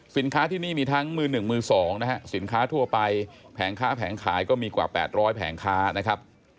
สินค้าที่นี่มีทั้งมือ๑มือ๒สินค้าทั่วไปแผงค้าแผงขายก็มีกว่า๘๐๐แผงค้า